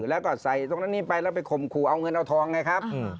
แล้วก็ใส่ตรงนั้นนี้ไปแล้วไปข่มขู่เอาเงินเอาทองไงครับ